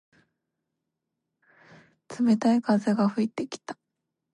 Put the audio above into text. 冷たい風が吹いてきた。